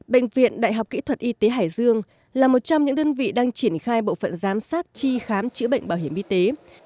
bệnh viện đại học kỹ thuật y tế hải dương là một trong những đơn vị đang triển khai bộ phận giám sát tri khám chữa bệnh bảo hiểm y tế